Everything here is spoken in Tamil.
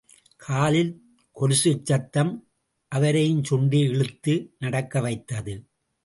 காலில் கொலுசுச் சத்தம், அவரையும் சுண்டி இழுத்து நடக்க வைத்தது.